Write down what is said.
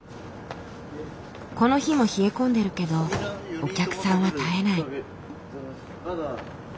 この日も冷え込んでるけどお客さんは絶えない。